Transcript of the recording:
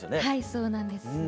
はいそうなんです。